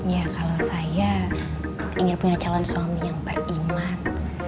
ya kalau saya ingin punya calon suami yang beriman